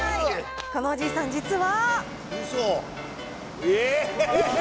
このおじいさん、実は。